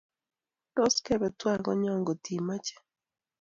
Tos kepe twai konyon ngot imache